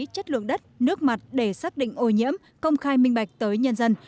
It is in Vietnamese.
chất lượng đất nước mặt để xác định ô nhiễm công khai minh bạch tới nhân dân